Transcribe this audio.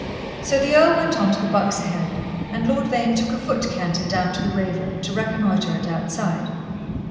So the earl went on to the Buck's Head, and Lord Vane took a foot canter down to the Raven, to reconnoiter it outside.